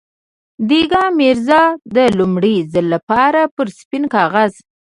دېګان ميرزا د لومړي ځل لپاره پر سپين کاغذ.